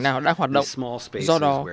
nào đang hoạt động do đó